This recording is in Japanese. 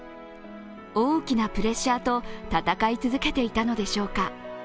大きなプレッシャーと闘い続けていたのでしょうか。